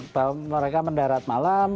bahwa mereka mendarat malam